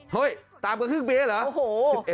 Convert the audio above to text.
เฮ่ยตามกับครึ่งปีแล้วเหรอ